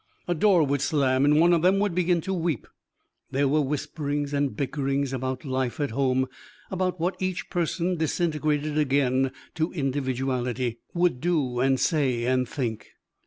A door would slam and one of them would begin to weep. There were whisperings and bickerings about life at home, about what each person, disintegrated again to individuality, would do and say and think.